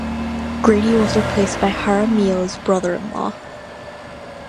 Grady was replaced by Jaramillo's brother-in-law.